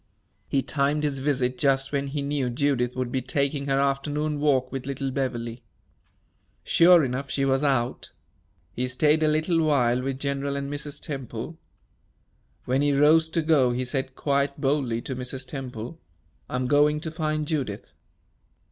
He timed his visit just when he knew Judith would be taking her afternoon walk with little Beverley. Sure enough, she was out. He stayed a little while with General and Mrs. Temple. When he rose to go, he said, quite boldly, to Mrs. Temple: "I am going to find Judith."